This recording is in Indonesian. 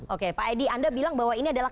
oke pak edi anda bilang bahwa ini adalah